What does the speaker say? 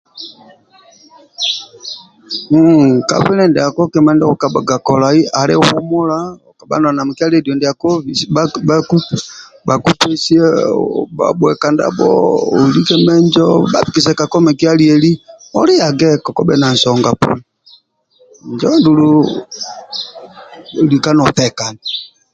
Hhh ka bwile ndiako ndio okukabhaga kolai ali humula kabha noli na mikia ledio ndiako bhakupesie bhabhue ka ndabho olike menjo bhabikise kako mikia lieli oliage kekubhe na nsonga poni injo andulu lika notekani